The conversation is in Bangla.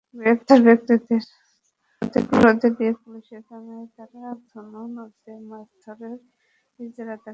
গ্রেপ্তার ব্যক্তিদের বরাত দিয়ে পুলিশ জানায়, তাঁরা ধনু নদে মাছ ধরার ইজারাদারের পাহারাদার।